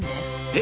え？